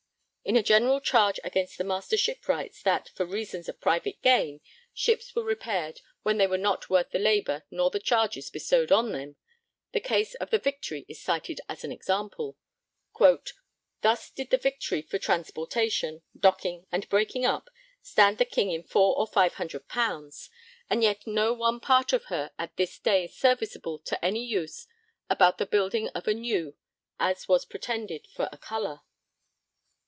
In a general charge against the Master Shipwrights that, for reasons of private gain, ships were repaired 'when they were not worth the labour nor the charges bestowed on them,' the case of the Victory is cited as an example: Thus did the Victory for transportation, docking and breaking up stand the king in four or five hundred pounds, and yet no one part of her at this day serviceable to any use about the building of a new as was pretended for a colour.